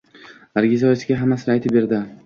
Nargiza oyisiga hammasini aytib berdi